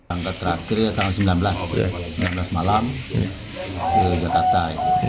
angka terakhir tanggal sembilan belas malam ke jakarta